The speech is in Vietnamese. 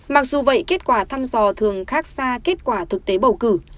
mặc dù vậy kết quả thăm dò thường khác xa kết quả thực tế bầu cử